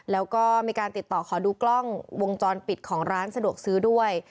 แล้วก็มีการติดต่อขอดูกล้องวงจรปิดของร้านสะดวกซื้อด้วย